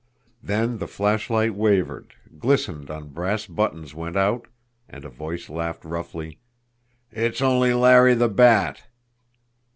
Then the flashlight wavered, glistened on brass buttons went out, and a voice laughed roughly: "It's only Larry the Bat!"